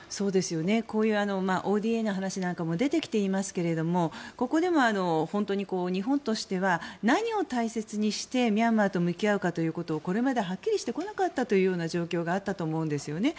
こういうＯＤＡの話なんかも出てきていますけれどもここでも本当に日本としては何を大切にして、ミャンマーと向き合うかということをこれまではっきりしてこなかったという状況があったと思うんですよね。